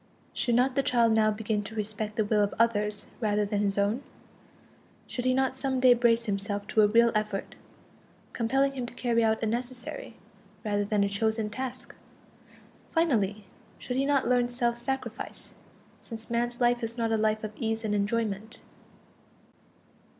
Should not the child now begin to respect the will of others rather than his own? Should he not some day brace himself to a real effort, compelling him to carry out a necessary, rather than a chosen, task? Finally, should he not learn self sacrifice, since man's life is not a life of ease and enjoyment?